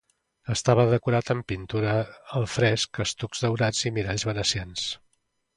Estava decorat amb pintura al fresc, estucs daurats i miralls venecians.